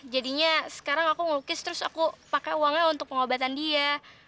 jadinya sekarang aku melukis terus aku pakai uangnya untuk pengobatan dia